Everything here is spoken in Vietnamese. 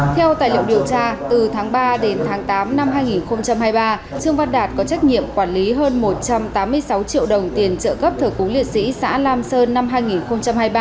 theo tài liệu điều tra từ tháng ba đến tháng tám năm hai nghìn hai mươi ba trương văn đạt có trách nhiệm quản lý hơn một trăm tám mươi sáu triệu đồng tiền trợ cấp thờ cúng liệt sĩ xã lam sơn năm hai nghìn hai mươi ba